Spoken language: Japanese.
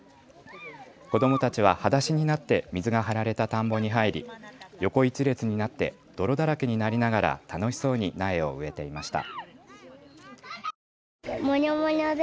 子どもたちははだしになって水が張られた田んぼに入り横一列になって泥だらけになりながら楽しそうに苗を植えていました。